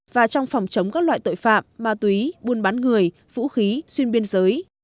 và trong phòng chống các loại tội phạm ma túy buôn bán người vũ khí xuyên biên giới